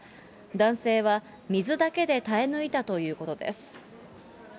男性は、水だけで耐え抜いたということです。